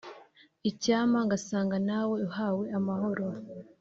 Icyampa ngasanga nawe uhawe amahoro